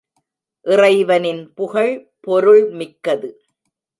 இறைவனின் புகழ் பொருள் மிக்கது.